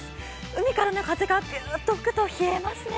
海からの風がビューッと吹くと冷えますね。